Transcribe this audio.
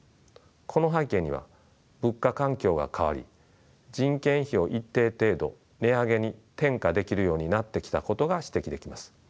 この背景には物価環境が変わり人件費を一定程度値上げに転嫁できるようになってきたことが指摘できます。